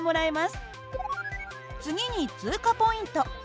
次に通過ポイント。